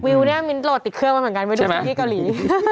วิวเนี่ยมีโหลดติดเคลื่อนไว้เหมือนกันไปดูซีรีส์เกาหลี